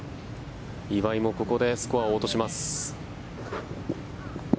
岩井もここでスコアを落とします。